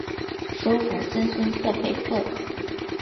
首府森孙特佩克。